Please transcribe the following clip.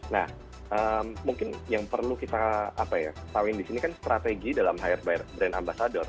nah mungkin yang perlu kita tauin disini kan strategi dalam hire brand ambasador